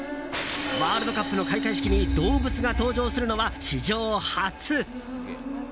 ワールドカップの開会式に動物が登場するのは史上初。